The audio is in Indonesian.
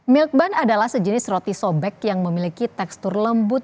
milk bun adalah sejenis roti sobek yang memiliki tekstur lembut